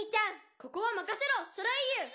「ここはまかせろソレイユ」